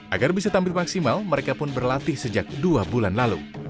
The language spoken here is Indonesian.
agar bisa tampil maksimal mereka pun berlatih sejak dua bulan lalu